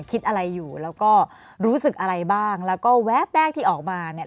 คิดอะไรอยู่แล้วก็รู้สึกอะไรบ้างแล้วก็แวบแรกที่ออกมาเนี่ย